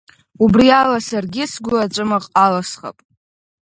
Убриала саргьы сгәы аҵәымӷ алысхып…